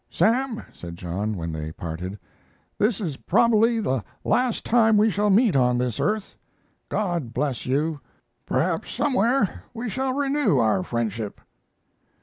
"Sam," said John, when they parted, "this is probably the last time we shall meet on this earth. God bless you. Perhaps somewhere we shall renew our friendship."